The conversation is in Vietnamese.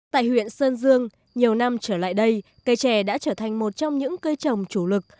tại huyện sơn dương nhiều năm trở lại đây cây trẻ đã trở thành một trong những cây trồng chủ lực